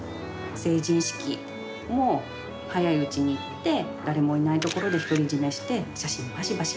成人式も早いうちに行って誰もいないところで独り占めして写真バシバシ